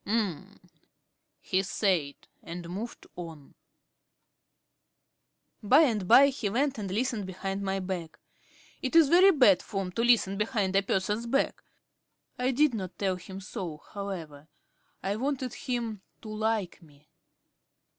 "Um," he said, and moved on. By and by he went and listened behind my back. It is very bad form to listen behind a person's back. I did not tell him so however. I wanted him to like me.